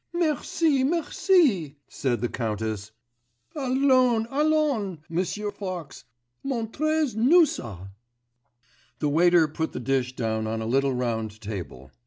'Merci, merci,' said the countess. 'Allons, allons, Monsieur Fox, montrez nous ça.' The waiter put the dish down on a little round table.